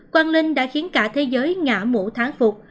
quang linh đã khiến cả thế giới ngã mũ tháng phục